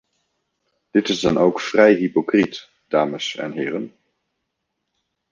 Dit is dan ook vrij hypocriet, dames en heren.